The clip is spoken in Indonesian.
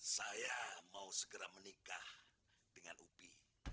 saya mau segera menikah dengan upi